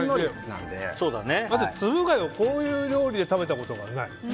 まずつぶ貝をこういう料理で食べたことがない。